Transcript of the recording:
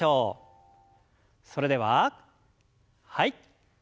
それでははい。